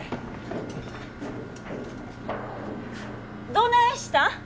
どないしたん。